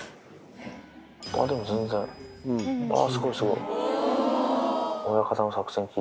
でも全然、あっ、すごい、すごい。